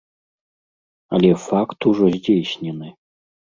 Але факт ужо здзейснены.